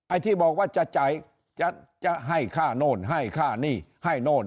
ไอ้ที่บอกว่าจะจ่ายจะให้ค่าโน่นให้ค่าหนี้ให้โน่น